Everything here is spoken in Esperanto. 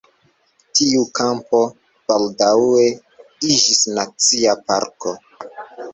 Tiu kampo baldaŭe iĝis Nacia parko.